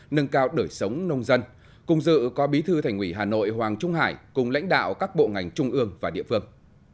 nâng cao đời sống nông dân cùng dự có bí thư thành ủy hà nội hoàng trung hải cùng lãnh đạo các bộ ngành trung ương và địa phương